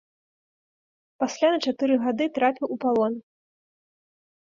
Пасля на чатыры гады трапіў у палон.